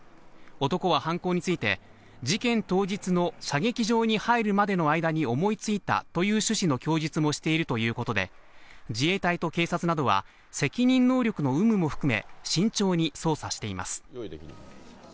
男は犯行について、事件当日の射撃場に入るまでの間に思いついたという趣旨の供述もしているということで、自衛隊と警察などは責任能力の有無も含め、慎重に捜査しています。